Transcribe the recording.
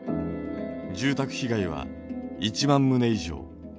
住宅被害は１万棟以上。